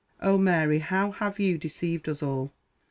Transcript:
Oh, Mary, how have you deceived us all!!!